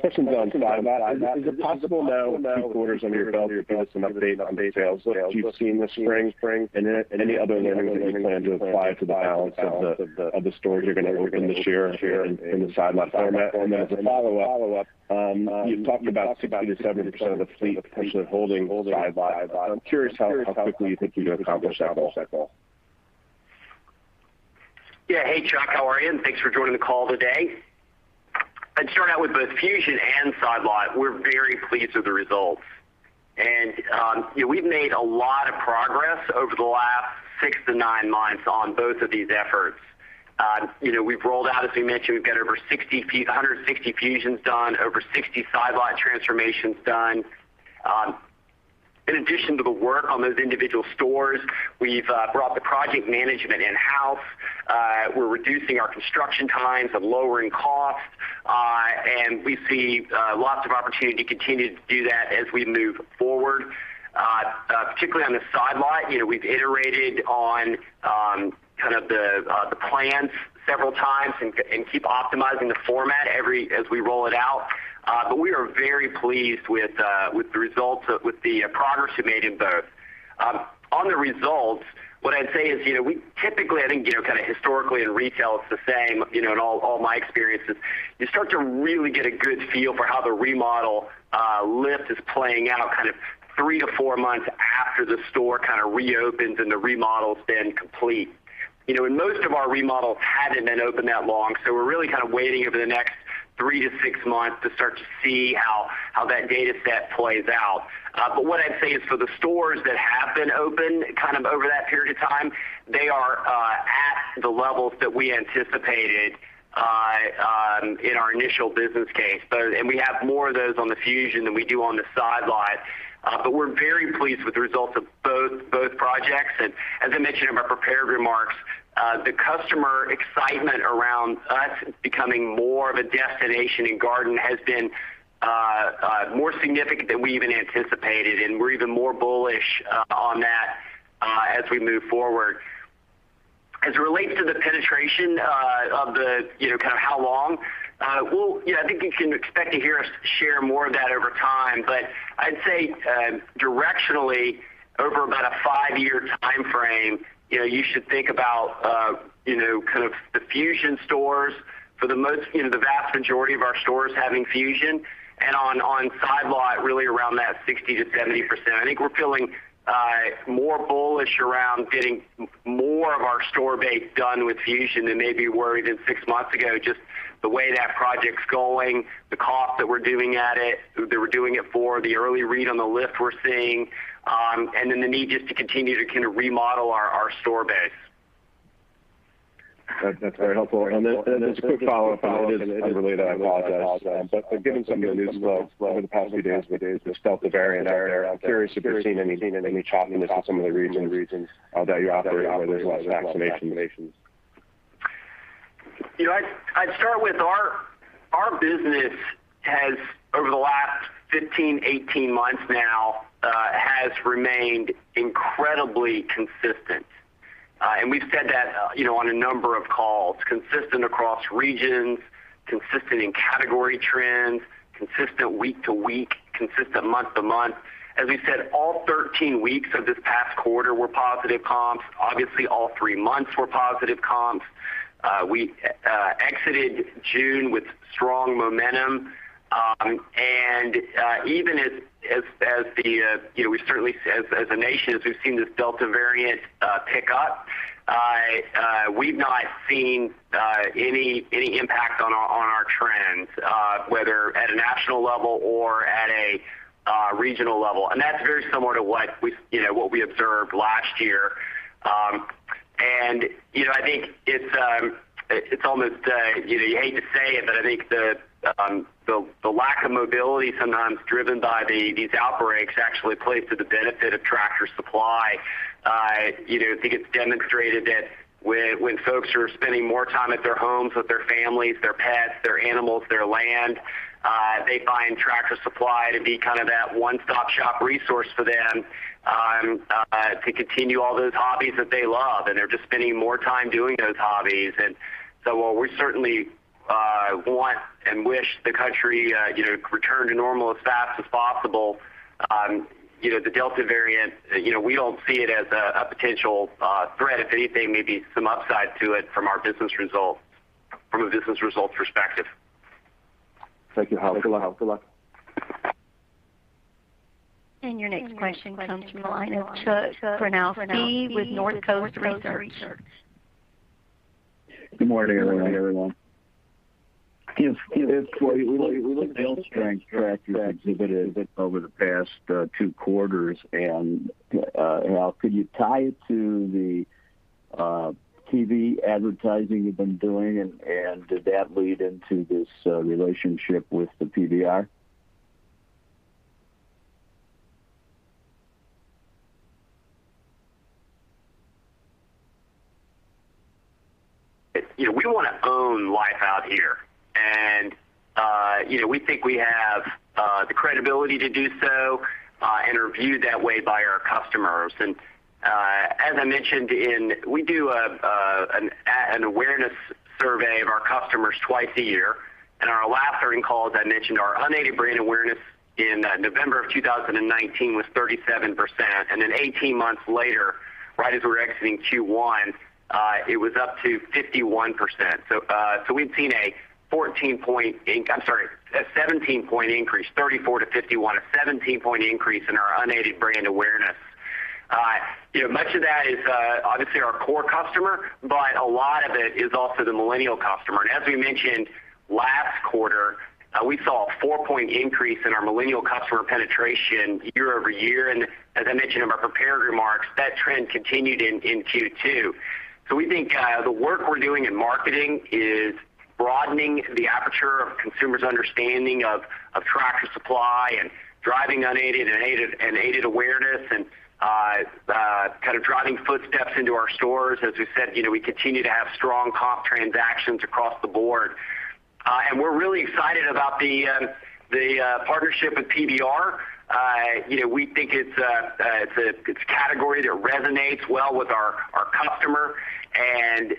question is on Side Lot. Is it possible now, two quarters under your belt, to give us an update on the sales lift you've seen this spring? Any other learnings that you plan to apply to the balance of the stores you're going to open this year in the Side Lot format. As a follow-up, you talked about 60%-70% of the fleet potentially holding Side Lot. I'm curious how quickly you think you can accomplish that goal. Yeah. Hey, Chuck, how are you? Thanks for joining the call today. I'd start out with both Fusion and Side Lot. We're very pleased with the results. We've made a lot of progress over the last six to nine months on both of these efforts. We've rolled out, as we mentioned, we've got over 160 Fusions done, over 60 Side Lot transformations done. In addition to the work on those individual stores, we've brought the project management in-house. We're reducing our construction times and lowering costs. We see lots of opportunity to continue to do that as we move forward. Particularly on the Side Lot, we've iterated on the plans several times and keep optimizing the format as we roll it out. We are very pleased with the progress we made in both. On the results, what I'd say is we typically, I think, historically in retail, it's the same in all my experiences. You start to really get a good feel for how the remodel lift is playing out three to four months after the store reopens and the remodel's been complete. Most of our remodels hadn't been open that long, we're really waiting over the next three to six months to start to see how that data set plays out. What I'd say is for the stores that have been open over that period of time, they are at the levels that we anticipated in our initial business case. We have more of those on the Fusion than we do on the Side Lot. We're very pleased with the results of both projects. As I mentioned in my prepared remarks, the customer excitement around us becoming more of a destination in garden has been more significant than we even anticipated, and we're even more bullish on that as we move forward. As it relates to the penetration of the Neighbor's Club, I think you can expect to hear us share more of that over time. But I'd say directionally, over about a five-year timeframe, you should think about the Fusion stores for the vast majority of our stores having Fusion and on Side Lot, really around that 60%-70%. I think we're feeling more bullish around getting more of our store base done with Fusion than maybe we were even six months ago, just the way that project's going, the cost that we're doing it for, the early read on the lift we're seeing, and then the need just to continue to remodel our store base. That's very helpful. Just a quick follow-up, and it is unrelated, I apologize. Given some of the news flow over the past few days with the Delta variant, I'm curious if you're seeing any choppiness in some of the regions that you operate where there's a lot of vaccination. I'd start with our business has, over the last 15, 18 months now, has remained incredibly consistent. We've said that on a number of calls. Consistent across regions, consistent in category trends, consistent week to week, consistent month to month. As we said, all 13 weeks of this past quarter were positive comps. Obviously, all three months were positive comps. We exited June with strong momentum. Even as a nation, as we've seen this Delta variant pick up, we've not seen any impact on our trends, whether at a national level or at a regional level. That's very similar to what we observed last year. I think it's almost, you hate to say it, but I think the lack of mobility sometimes driven by these outbreaks actually plays to the benefit of Tractor Supply. I think it's demonstrated that when folks are spending more time at their homes with their families, their pets, their animals, their land, they find Tractor Supply to be kind of that one-stop shop resource for them to continue all those hobbies that they love. They're just spending more time doing those hobbies. While we certainly want and wish the country return to normal as fast as possible, the Delta variant, we don't see it as a potential threat. If anything, maybe some upside to it from a business results perspective. Thank you, Hal. Good luck. Your next question comes from the line of Chuck Cerankosky with Northcoast Research. Good morning, everyone. Given the sales strength Tractor's exhibited over the past two quarters and, Hal, could you tie it to the TV advertising you've been doing? Did that lead into this relationship with the PBR? We want to own Life Out Here. We think we have the credibility to do so and are viewed that way by our customers. As I mentioned, we do an awareness survey of our customers twice a year. Our last earning call, as I mentioned, our unaided brand awareness in November 2019 was 37%. Then 18 months later, right as we're exiting Q1, it was up to 51%. We've seen a 17-point increase, 34 to 51, a 17-point increase in our unaided brand awareness. Much of that is obviously our core customer. A lot of it is also the millennial customer. As we mentioned last quarter, we saw a four-point increase in our millennial customer penetration year-over-year. As I mentioned in my prepared remarks, that trend continued in Q2. We think the work we're doing in marketing is broadening the aperture of consumers' understanding of Tractor Supply and driving unaided and aided awareness and kind of driving footsteps into our stores. As we said, we continue to have strong comp transactions across the board. We're really excited about the partnership with PBR. We think it's a category that resonates well with our customer and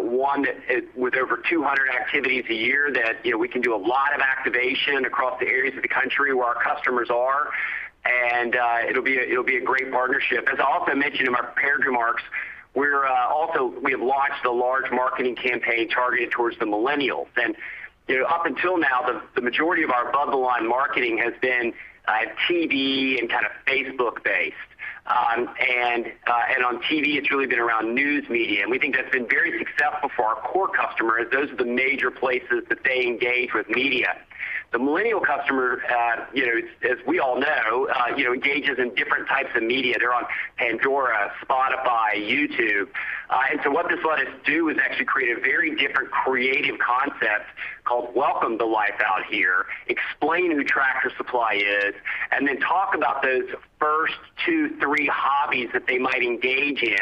one that with over 200 activities a year, that we can do a lot of activation across the areas of the country where our customers are. It'll be a great partnership. As I also mentioned in my prepared remarks, we have launched a large marketing campaign targeted towards the millennials. Up until now, the majority of our above-the-line marketing has been TV and kind of Facebook based. On TV, it's really been around news media. We think that's been very successful for our core customers. Those are the major places that they engage with media. The millennial customer, as we all know, engages in different types of media. They're on Pandora, Spotify, YouTube. What this let us do is actually create a very different creative concept called Welcome to Life Out Here, explain who Tractor Supply is, and then talk about those first two, three hobbies that they might engage in,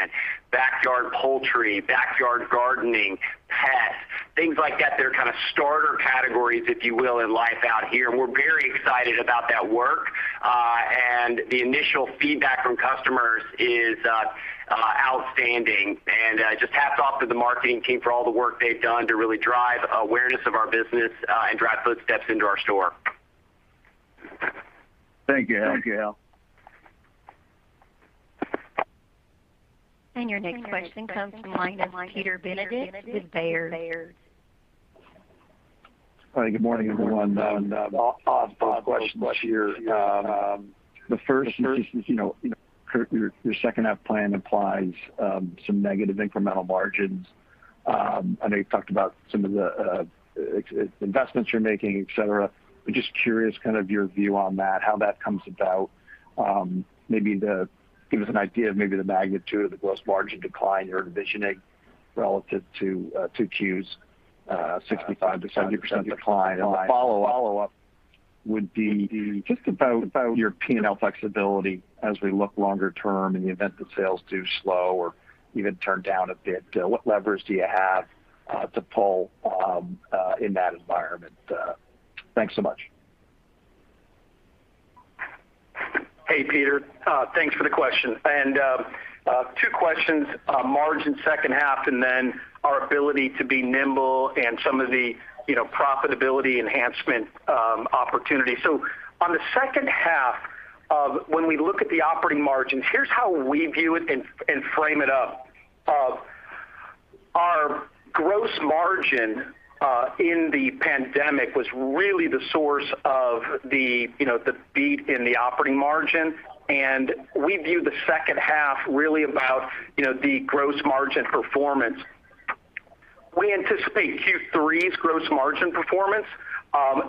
backyard poultry, backyard gardening, pets, things like that. They're kind of starter categories, if you will, in Life Out Here. We're very excited about that work. The initial feedback from customers is outstanding. Just hats off to the marketing team for all the work they've done to really drive awareness of our business and drive footsteps into our store. Thank you, Hal. Your next question comes from the line of Peter Benedict with Baird. Hi. Good morning, everyone. I'll ask both questions here. The first is, Kurt, your second half plan implies some negative incremental margins. I know you talked about some of the investments you're making, et cetera, just curious, your view on that, how that comes about. Maybe to give us an idea of maybe the magnitude of the gross margin decline you're envisioning relative to 2Qs, 65%-70% decline. The follow-up would be just about your P&L flexibility as we look longer term in the event that sales do slow or even turn down a bit. What levers do you have to pull in that environment? Thanks so much. Hey, Peter. Thanks for the question. Two questions, margin second half, and then our ability to be nimble and some of the profitability enhancement opportunities. On the second half, when we look at the operating margins, here's how we view it and frame it up. Our gross margin in the pandemic was really the source of the beat in the operating margin, and we view the second half really about the gross margin performance. We anticipate Q3's gross margin performance,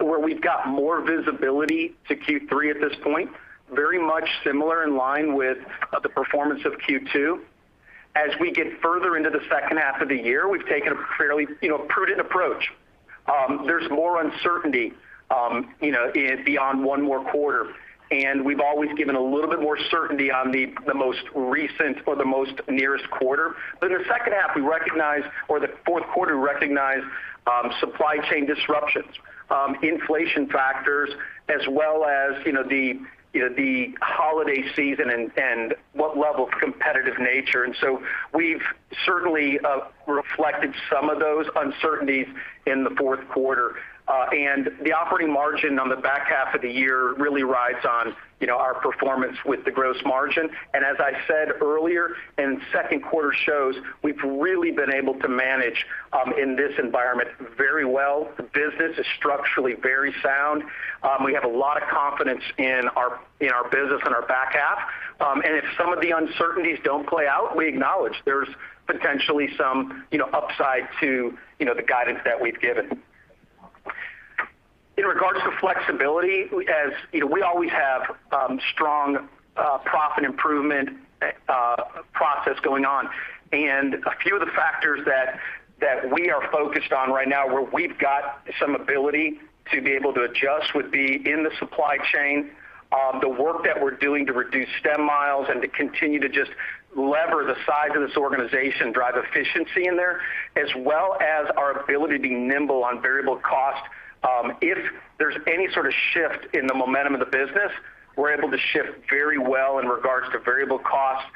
where we've got more visibility to Q3 at this point, very much similar in line with the performance of Q2. As we get further into the second half of the year, we've taken a fairly prudent approach. There's more uncertainty beyond one more quarter, and we've always given a little bit more certainty on the most recent or the most nearest quarter. In the second half, or the fourth quarter, we recognize supply chain disruptions, inflation factors, as well as the holiday season and what level of competitive nature. We've certainly reflected some of those uncertainties in the fourth quarter. The operating margin on the back half of the year really rides on our performance with the gross margin. As I said earlier, and second quarter shows, we've really been able to manage in this environment very well. The business is structurally very sound. We have a lot of confidence in our business and our back half. If some of the uncertainties don't play out, we acknowledge there's potentially some upside to the guidance that we've given. In regards to flexibility, as we always have strong profit improvement process going on. A few of the factors that we are focused on right now where we've got some ability to be able to adjust would be in the supply chain. The work that we're doing to reduce stem miles and to continue to just lever the size of this organization, drive efficiency in there, as well as our ability to be nimble on variable cost. If there's any sort of shift in the momentum of the business, we're able to shift very well in regards to variable costs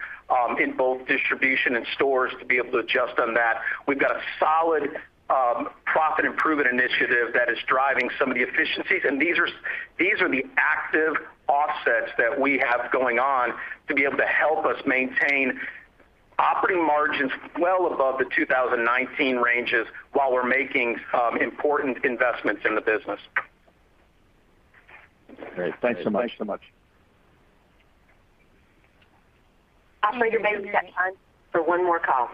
in both distribution and stores to be able to adjust on that. We've got a solid profit improvement initiative that is driving some of the efficiencies. These are the active offsets that we have going on to be able to help us maintain operating margins well above the 2019 ranges while we're making important investments in the business. Great. Thanks so much. Operator, we've got time for one more call.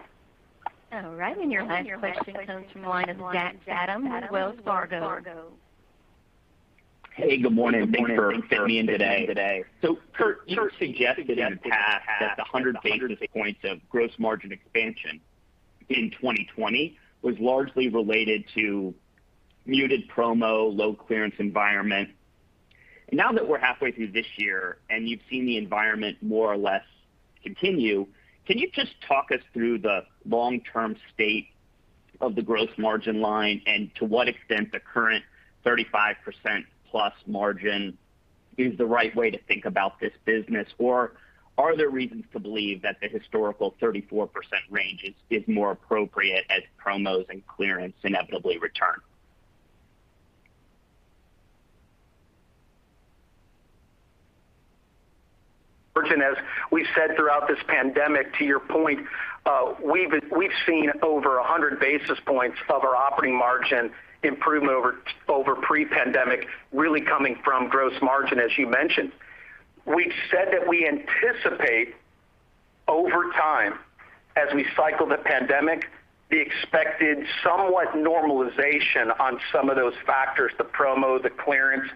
All right. Your last question comes from the line of Zach Fadem at Wells Fargo. Hey, good morning. Thanks for fitting me in today. Kurt, you've suggested in the past that the 100 basis points of gross margin expansion in 2020 was largely related to muted promo, low clearance environment. Now that we're halfway through this year and you've seen the environment more or less continue, can you just talk us through the long-term state of the gross margin line and to what extent the current 35% plus margin is the right way to think about this business? Or are there reasons to believe that the historical 34% range is more appropriate as promos and clearance inevitably return? As we said throughout this pandemic, to your point, we've seen over 100 basis points of our operating margin improvement over pre-pandemic, really coming from gross margin, as you mentioned. We've said that we anticipate over time, as we cycle the pandemic, the expected somewhat normalization on some of those factors, the promo, the clearance.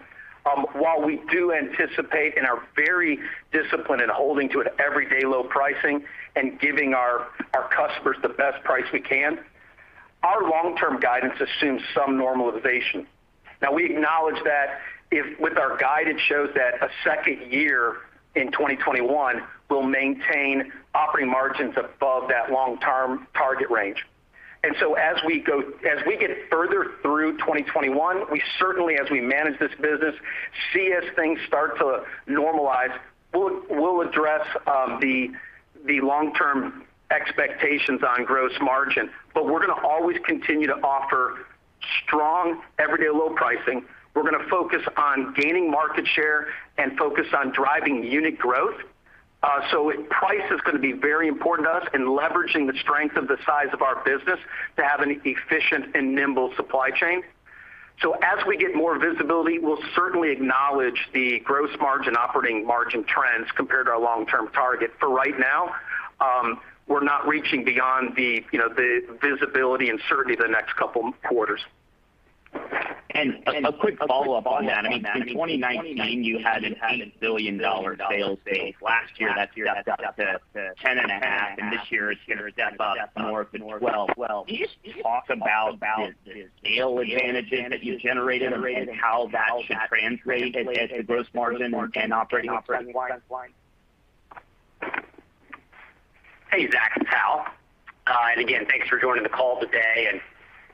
While we do anticipate and are very disciplined in holding to an everyday low pricing and giving our customers the best price we can, our long-term guidance assumes some normalization. Now, we acknowledge that if with our guidance shows that a second year in 2021 will maintain operating margins above that long-term target range. As we get further through 2021, we certainly, as we manage this business, see as things start to normalize, we'll address the long-term expectations on gross margin. We're going to always continue to offer Strong everyday low pricing. We're going to focus on gaining market share and focus on driving unit growth. Price is going to be very important to us in leveraging the strength of the size of our business to have an efficient and nimble supply chain. As we get more visibility, we'll certainly acknowledge the gross margin, operating margin trends compared to our long-term target. For right now, we're not reaching beyond the visibility and certainly the next couple quarters. A quick follow-up on that. In 2019, you had an $8 billion sales base. Last year, that stepped up to $10.5 billion, this year it's going to step up more to $12 billion. Can you just talk about the scale advantages that you've generated and how that should translate as to gross margin and operating expense line? Hey, Zach, it's Hal. Again, thanks for joining the call today.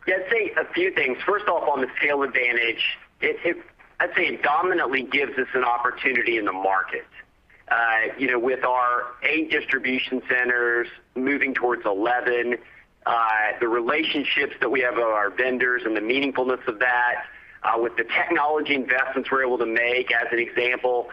Yeah, I'd say a few things. First off, on the scale advantage, I'd say it dominantly gives us an opportunity in the market. With our 8 distribution centers moving towards 11, the relationships that we have with our vendors and the meaningfulness of that, with the technology investments we're able to make, as an example,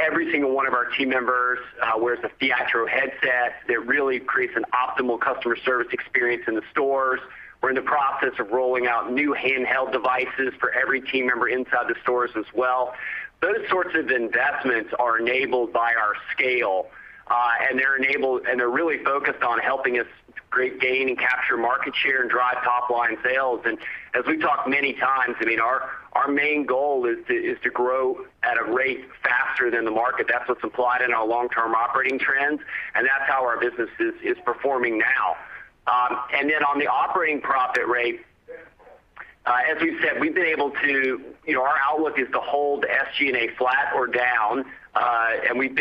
every single one of our team members wears a Theatro headset that really creates an optimal customer service experience in the stores. We're in the process of rolling out new handheld devices for every team member inside the stores as well. Those sorts of investments are enabled by our scale. They're really focused on helping us gain and capture market share and drive top-line sales. As we've talked many times, our main goal is to grow at a rate faster than the market. That's what's implied in our long-term operating trends, and that's how our business is performing now. Then on the operating profit rate, as we've said, our outlook is to hold SG&A flat or down. We've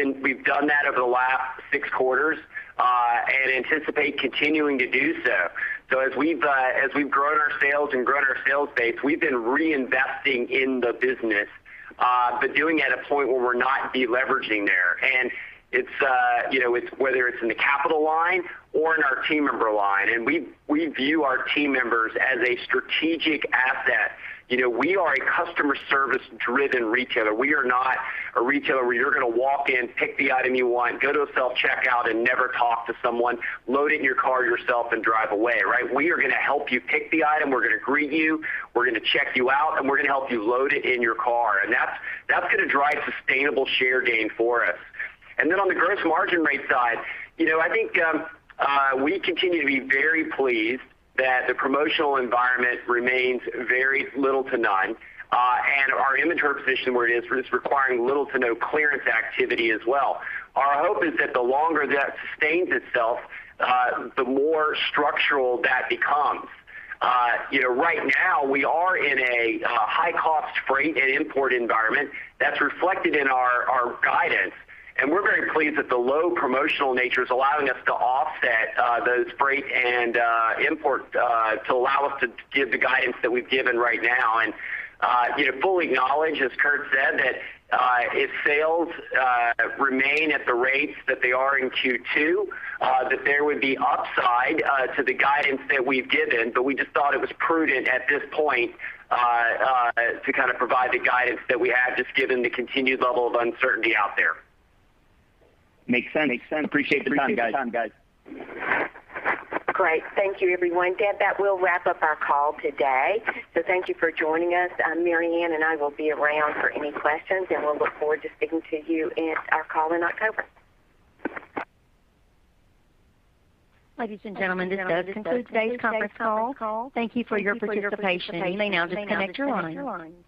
done that over the last six quarters, and anticipate continuing to do so. As we've grown our sales and grown our sales base, we've been reinvesting in the business, but doing it at a point where we're not de-leveraging there. Whether it's in the capital line or in our team member line, and we view our team members as a strategic asset. We are a customer service driven retailer. We are not a retailer where you're going to walk in, pick the item you want, go to a self-checkout and never talk to someone, load it in your car yourself and drive away. We are going to help you pick the item, we're going to greet you, we're going to check you out, and we're going to help you load it in your car. That's going to drive sustainable share gain for us. Then on the gross margin rate side, I think we continue to be very pleased that the promotional environment remains very little to none. Our inventory position where it is requiring little to no clearance activity as well. Our hope is that the longer that sustains itself, the more structural that becomes. Right now, we are in a high-cost freight and import environment that's reflected in our guidance. We're very pleased that the low promotional nature is allowing us to offset those freight and import to allow us to give the guidance that we've given right now. Fully acknowledge, as Kurt said, that if sales remain at the rates that they are in Q2, there would be upside to the guidance that we've given. We just thought it was prudent at this point to provide the guidance that we have, just given the continued level of uncertainty out there. Makes sense. Appreciate the time, guys. Great. Thank you everyone. That will wrap up our call today. Thank you for joining us. Mary Winn and I will be around for any questions, and we'll look forward to speaking to you in our call in October. Ladies and gentlemen, this does conclude today's conference call. Thank you for your participation. You may now disconnect your lines.